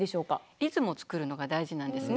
リズムをつくるのが大事なんですね。